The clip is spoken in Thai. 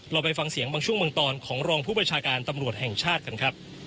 ไปฟังเสียงบางช่วงบางตอนของรองผู้ประชาการตำรวจแห่งชาติกันครับ